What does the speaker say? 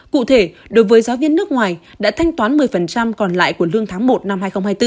cụ thể đối với giáo viên nước ngoài đã thanh toán một mươi còn lại của lương tháng một năm hai nghìn hai mươi bốn